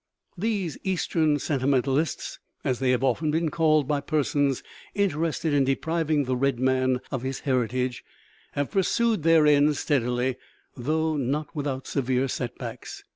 These "Eastern sentimentalists," as they have often been called by persons interested in depriving the red man of his heritage, have pursued their ends steadily, though not without severe setbacks.